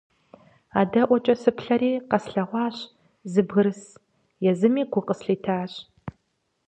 АдэӀуэкӀэ сыплъэри къэслъэгъуащ зы бгырыс, езыми гу къыслъитащ.